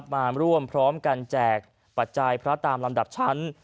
มาร่วมพร้อมกันแจกปัจจัยพระตามลำดับชั้น